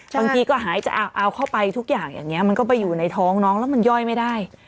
บางทีก็หายจะเอาเข้าไปทุกอย่างอย่างนี้มันก็ไปอยู่ในท้องน้องแล้วมันย่อยไม่ได้